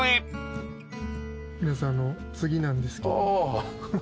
皆さん次なんですけど。